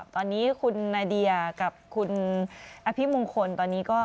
ตอนนี้คุณนาเดียกับคุณอภิมงคลตอนนี้ก็